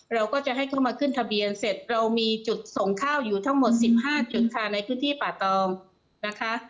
เราก็จะให้เข้ามาขึ้นทะเบียนเสร็จเรามีจุดส่งข้าวอยู่ทั้งหมด๑๕จุดค่ะในพื้นที่ป่าตองนะคะ